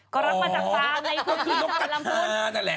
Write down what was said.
ก็รับมาจากฟาร์มในคุณชีวิตสมรรยาบรรมพุนอ๋อก็คือนกกะทานั่นแหละ